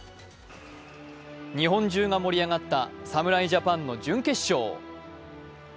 日本中が盛り上がった侍ジャパンの準決勝。